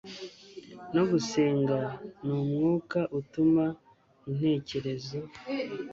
no gusenga ni umwuka utuma intekerezo